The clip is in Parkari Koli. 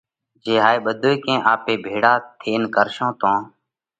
جي هائي ٻڌوئي ڪئين آپي ٻڌائي ڀيۯا ٿينَ ڪرشون تو